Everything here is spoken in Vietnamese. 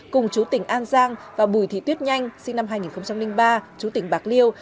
cùng chú tỉnh an giang và bùi thị tuyết nhanh sinh năm hai nghìn ba chú tỉnh bạc liêu